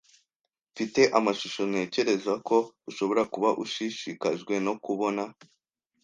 Mfite amashusho ntekereza ko ushobora kuba ushishikajwe no kubona.